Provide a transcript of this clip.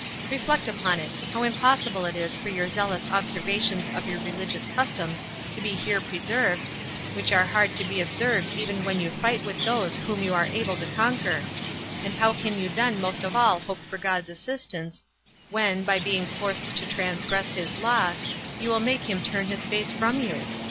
Reflect upon it, how impossible it is for your zealous observations of your religious customs to be here preserved, which are hard to be observed even when you fight with those whom you are able to conquer; and how can you then most of all hope for God's assistance, when, by being forced to transgress his law, you will make him turn his face from you?